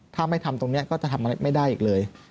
ถ้าไม่ทำตรงนี้ก็จะทำอะไรไม่ได้อีกเลย